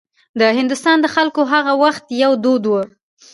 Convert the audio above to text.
د هندوستان د خلکو هغه وخت یو دود و.